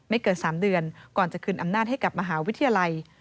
เกิน๓เดือนก่อนจะคืนอำนาจให้กับมหาวิทยาลัย